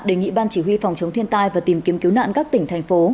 đề nghị ban chỉ huy phòng chống thiên tai và tìm kiếm cứu nạn các tỉnh thành phố